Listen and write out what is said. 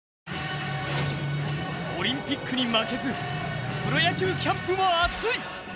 オリンピックに負けずプロ野球キャンプも熱い。